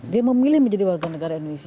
dia memilih menjadi warga negara indonesia